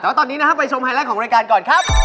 แต่ว่าตอนนี้นะค่ะไปสมภัยล่างของรายการก่อนครับ